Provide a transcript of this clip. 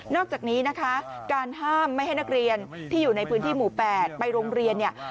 อกจากนี้นะคะการห้ามไม่ให้นักเรียนที่อยู่ในพื้นที่หมู่๘ไปโรงเรียนเนี่ย